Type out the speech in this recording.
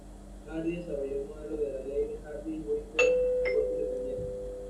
Hardy desarrolló el modelo de la ley de Hardy-Weinberg, de forma independiente.